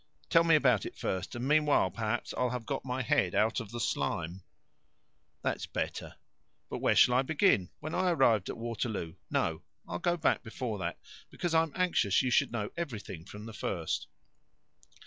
"Tell me about it first, and meanwhile perhaps I'll have got my head out of the slime." "That's better. Well, where shall I begin? When I arrived at Waterloo no, I'll go back before that, because I'm anxious you should know everything from the first.